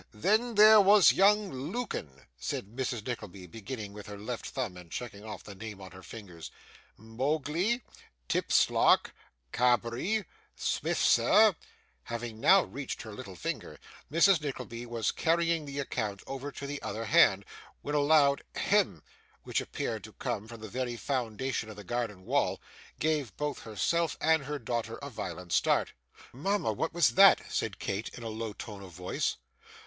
Then there was young Lukin,' said Mrs. Nickleby, beginning with her left thumb and checking off the names on her fingers 'Mogley Tipslark Cabbery Smifser ' Having now reached her little finger, Mrs. Nickleby was carrying the account over to the other hand, when a loud 'Hem!' which appeared to come from the very foundation of the garden wall, gave both herself and her daughter a violent start. 'Mama! what was that?' said Kate, in a low tone of voice.